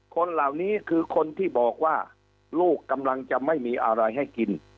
คนเหล่านี้คือคนที่บอกว่าลูกกำลังจะไม่มีอะไรให้กิน